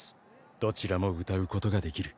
どちらも歌うことができる。